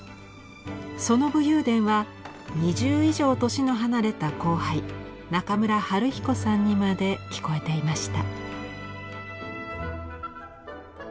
その武勇伝は２０以上年の離れた後輩中村晴彦さんにまで聞こえていました。